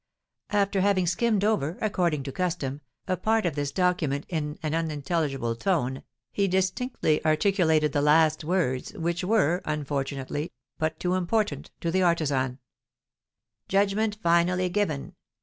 After having skimmed over, according to custom, a part of this document in an unintelligible tone, he distinctly articulated the last words, which were, unfortunately, but too important to the artisan: "Judgment finally given.